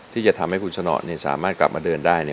ที่จะทำให้คุณสนอดเนี่ยสามารถกลับมาเดินได้เนี่ย